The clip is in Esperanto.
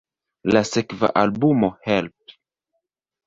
La sekva albumo "Help!